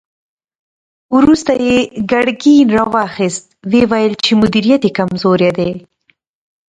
وروسته يې ګرګين را واخيست، ويې ويل چې مديريت يې کمزوری دی.